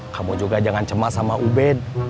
kamu juga jangan cema sama uben